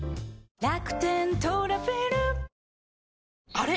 あれ？